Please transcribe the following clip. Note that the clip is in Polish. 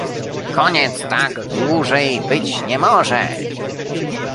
Koniec, tak dłużej być nie może